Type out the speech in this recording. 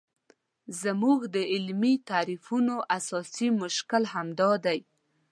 زموږ د علمي تعریفونو اساسي مشکل همدا دی.